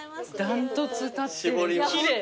断トツ立ってる。